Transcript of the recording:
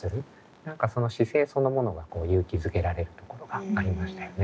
何かその姿勢そのものが勇気づけられるところがありましたよね。